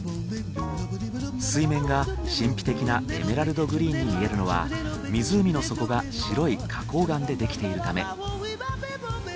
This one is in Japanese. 水面が神秘的なエメラルドグリーンに見えるのは湖の底が白い花こう岩でできているため。